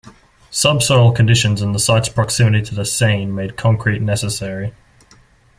Subsoil conditions and the site's proximity to the Seine made concrete necessary.